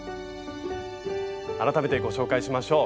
改めてご紹介しましょう。